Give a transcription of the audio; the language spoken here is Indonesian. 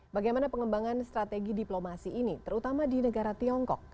bagaimana pengembangan strategi diplomasi ini terutama di negara tiongkok